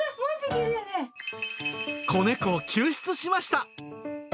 子猫を救出しました。